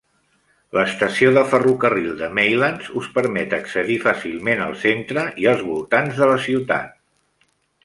L'estació de ferrocarril de Maylands us permet accedir fàcilment al centre i als voltants de la ciutat.